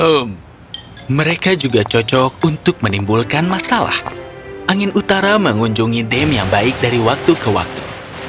hmm mereka juga cocok untuk menimbulkan masalah angin utara mengunjungi dem yang baik dari waktu ke waktu